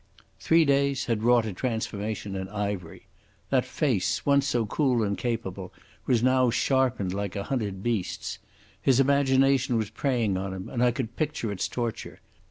Three days had wrought a transformation in Ivery. That face, once so cool and capable, was now sharpened like a hunted beast's. His imagination was preying on him and I could picture its torture.